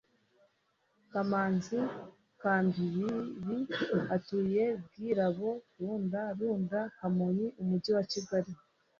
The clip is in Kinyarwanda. Kamanzi Kambibi utuye Bwirabo Runda Runda KamonyiUmujyi wa Kigali